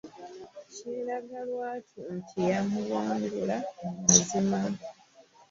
Kyeraga lwatu nti yamuwangula mu mazima